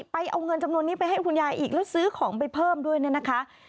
ไปเอาเงินจำนวนนี้ไปให้คุณยายอีกแล้วซื้อของไปเพิ่มด้วยเนี่ยนะคะ